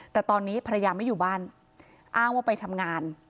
แต่ตอนนี้ภรรยาไม่อยู่บ้านอ้างว่าไปทำงาน